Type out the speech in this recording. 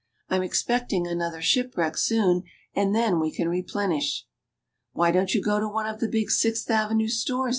I'm expecting another shipwreck soon, and then we can replenish." " Why don't you go to one of the big Sixth Avenue stores